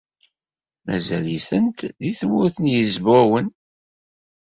Mazal-itent deg Tmurt n Yizwawen.